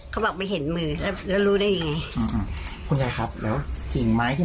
เขาบอกไปเห็นมือแล้วแล้วรู้ได้ยังไง